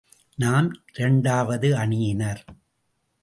நாம் இரண்டாவது அணியினர்.